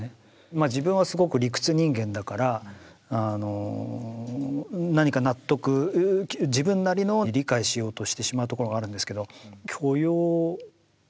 まあ自分はすごく理屈人間だから何か納得自分なりの理解しようとしてしまうところがあるんですけど。